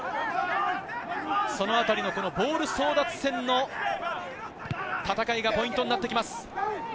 このあたりのボール争奪戦の戦いがポイントになってきます。